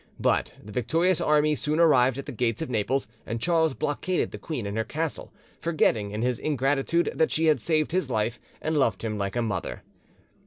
But the victorious army soon arrived at the gates of Naples, and Charles blockaded the queen in her castle, forgetting in his ingratitude that she had saved his life and loved him like a mother.